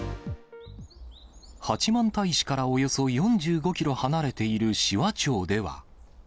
八幡平市からおよそ４５キロ離れている紫波町では。